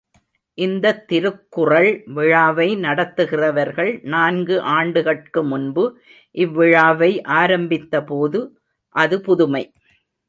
இந்தத் திருக்குறள் விழாவை நடத்துகிறவர்கள் நான்கு ஆண்டுகட்கு முன்பு இவ்விழாவை ஆரம்பித்தபோது அது புதுமை.